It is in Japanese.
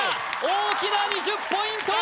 大きな２０ポイント！